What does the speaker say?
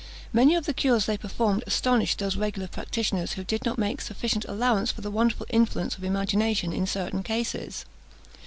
Many of the cures they performed astonished those regular practitioners who did not make sufficient allowance for the wonderful influence of imagination in certain cases.